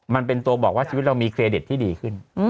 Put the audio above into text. มันเป็นตัวบอกว่าชีวิตเรามีเครดิตที่ดีขึ้น